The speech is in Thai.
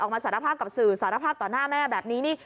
สารภาพกับสื่อสารภาพต่อหน้าแม่แบบนี้นี่